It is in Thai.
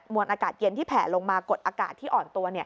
วนอากาศเย็นที่แผ่ลงมากดอากาศที่อ่อนตัว